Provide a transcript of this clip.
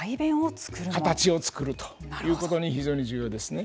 形を作るということに非常に重要ですね。